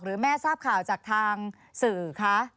แม่ทราบข่าวจากทางสื่อคะ